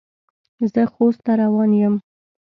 زه خوست ته روان یم.